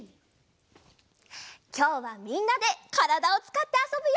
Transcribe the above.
きょうはみんなでからだをつかってあそぶよ！